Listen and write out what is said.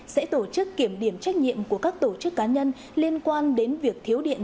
sẽ tổ chức kiểm điểm trách nhiệm của các tổ chức cá nhân liên quan đến việc thiếu điện